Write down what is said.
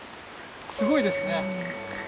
すごいですね。